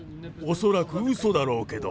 恐らくうそだろうけど。